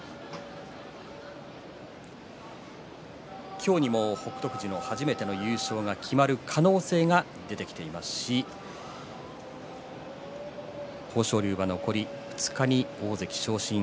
今日にも北勝富士の初めての優勝が決まる可能性が出てきていますし豊昇龍は残り２日に大関昇進。